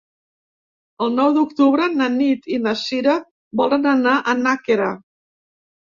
El nou d'octubre na Nit i na Sira volen anar a Nàquera.